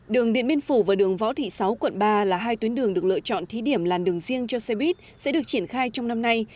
đường điện biên phủ và đường võ thị sáu quận ba là hai tuyến đường được lựa chọn thí điểm làn đường riêng cho xe buýt sẽ được triển khai trong năm nay